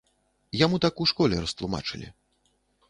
Яму так у школе растлумачылі.